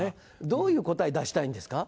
どういう答え出したいんですか？